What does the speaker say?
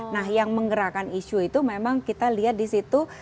nah yang menggerakkan isu itu memang kita lihat di situ